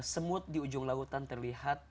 semut di ujung lautan terlihat